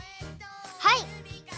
はい。